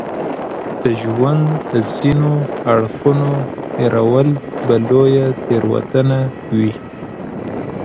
د ژوند د ځينو اړخونو هېرول به لويه تېروتنه وي.